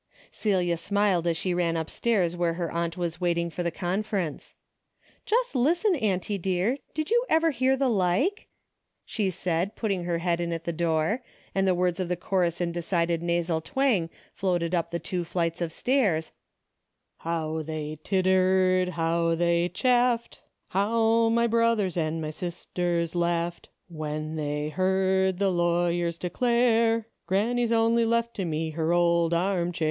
Celia smiled as she ran upstairs where her aunt was waiting for the conference. "Just listen, auntie dear, did you ever hear the like," she said, putting her head in at the door, and the words of the chorus in decided nasal twang floated up the two flights of stairs : "How they tittered, how they chaffed, How my brothers and my sisters laughed, When they heard the lawyers declare, Granny's only left to me her old armchair."